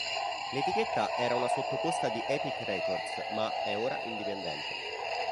L'etichetta era una sottoposta di Epic Records, ma è ora indipendente.